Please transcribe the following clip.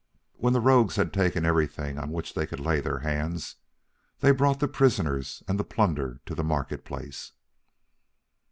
When the rogues had taken everything on which they could lay their hands, they brought the prisoners and the plunder to the marketplace.